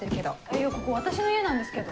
いやここ私の家なんですけど。